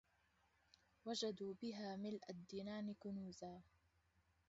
وجدوا بها مِلءَ الدِّنان كنوزا